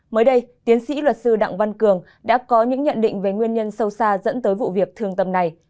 mới đây tiến sĩ luật sư đặng văn cường đã có những nhận định về nguyên nhân sâu xa dẫn tới vụ việc thường tầm này